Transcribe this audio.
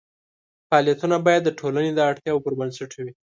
فعالیتونه باید د ټولنې د اړتیاوو پر بنسټ وي.